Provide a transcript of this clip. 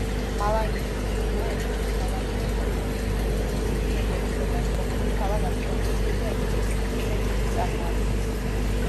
მალაიური ენა ეკუთვნის მალაიურ-პოლინეზიური ენების ოჯახს, რომელიც თავად ავსტრონეზიული ენების ქვეჯგუფს წარმოადგენს.